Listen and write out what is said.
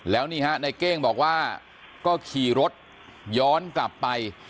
แล้วนี่ฮะในเก้งบอกว่าก็ขี่รถย้อนกลับไป